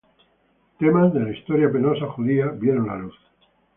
Temas de la "historia penosa" judía vieron la luz.